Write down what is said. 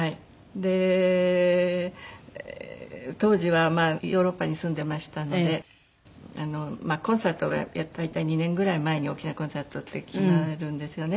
で当時はヨーロッパに住んでましたのでコンサートは大体２年ぐらい前に大きなコンサートって決まるんですよね。